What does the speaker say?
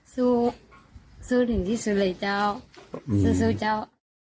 สู้สู้ถึงที่สุดเลยเจ้าสู้เจ้า